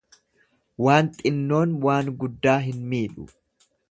Waan xinnoon waan guddaa hin miidhu.